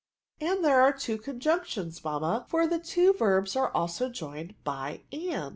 " And there are two conjunctions, mamma^ for the two verbs are also joined by and.'